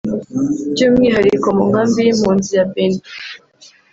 by’umwihariko mu nkambi y’impunzi ya Bentiou